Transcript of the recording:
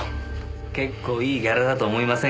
結構いいギャラだと思いませんか？